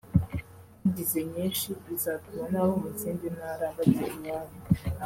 tugize nyinshi bizatuma n’abo mu zindi ntara bajya iwabo